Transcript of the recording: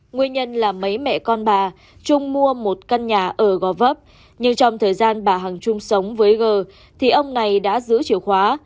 nguyên nhân là mấy mẹ con bà trung mua một căn nhà ở gò vấp nhưng trong thời gian bà hằng chung sống với g thì ông này đã giữ chìa khóa